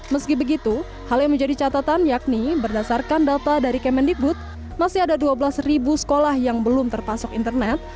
meski begitu hal yang menjadi catatan yakni berdasarkan data dari kemendikbud masih ada dua belas sekolah yang belum terpasok internet